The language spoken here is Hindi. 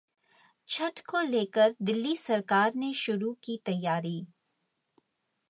छठ को लेकर दिल्ली सरकार ने शुरू की तैयारी